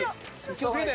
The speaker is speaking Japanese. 気を付けて。